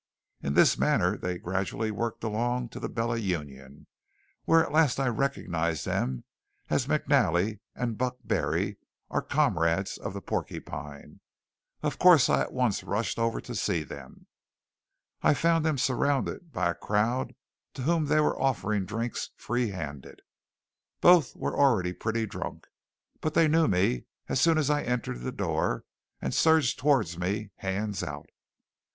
In this manner they gradually worked along to the Bella Union, where at last I recognized them as McNally and Buck Barry, our comrades of the Porcupine. Of course I at once rushed over to see them. I found them surrounded by a crowd to whom they were offering drinks free handed. Both were already pretty drunk, but they knew me as soon as I entered the door, and surged toward me hands out. "Well!